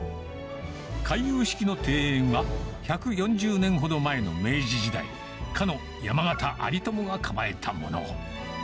回遊式の庭園は、１４０年ほど前の明治時代、かの山縣有朋が構えたもの。